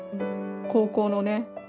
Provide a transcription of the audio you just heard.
高校のね